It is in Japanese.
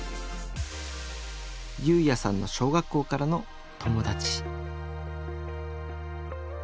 侑弥さんの小学校からの友達。